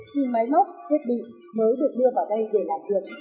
vì máy móc thiết bị mới được đưa vào đây để làm được